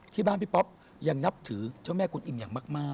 ที่บ้านพี่ป๊อปยังนับถือเจ้าแม่กุลอิ่มอย่างมาก